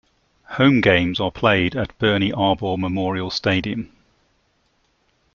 Home games are played at Bernie Arbour Memorial Stadium.